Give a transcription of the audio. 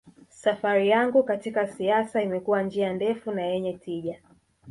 safari yangu katika siasa imekuwa njia ndefu na yenye tija